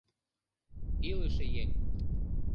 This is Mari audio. Илыше еҥ